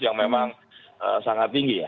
yang memang sangat tinggi ya